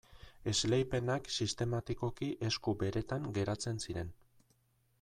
Esleipenak sistematikoki esku beretan geratzen ziren.